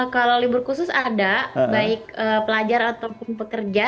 kalau libur khusus ada baik pelajar ataupun pekerja